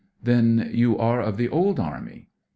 " Then you are of the old Army